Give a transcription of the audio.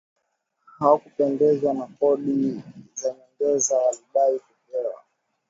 hawakupendezwa na kodi za nyongeza walidai kupewa